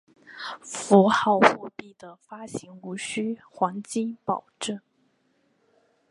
符号货币的发行无须黄金保证。